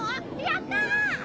やった！